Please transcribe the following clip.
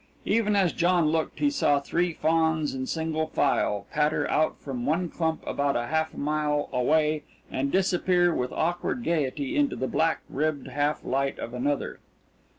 Even as John looked he saw three fawns in single file patter out from one clump about a half mile away and disappear with awkward gaiety into the black ribbed half light of another.